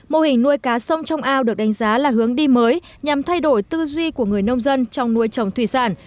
mô hình nuôi cá sông trong ao được đánh giá là hướng đi mới nhằm thay đổi tư duy của người nông dân trong nuôi trồng thủy sản